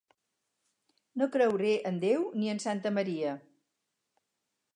No creure en Déu ni en santa Maria.